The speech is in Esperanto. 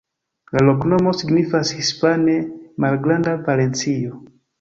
La loknomo signifas hispane: malgranda Valencio.